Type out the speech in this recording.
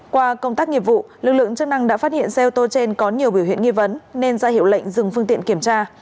qua công tác nghiệp vụ lực lượng chức năng đã phát hiện xe ô tô trên có nhiều biểu hiện nghi vấn nên ra hiệu lệnh dừng phương tiện kiểm tra